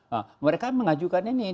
nah mereka mengajukan ini